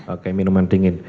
oke minuman dingin